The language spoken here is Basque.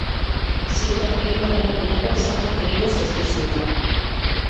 Ziur aurpegi bat baino gehiago ezagunak egingo zaizkizuela.